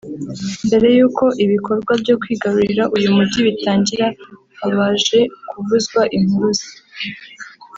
Mbere y’uko ibikorwa byo kwigarurira uyu mugi bitangira habaje kuvuzwa impuruza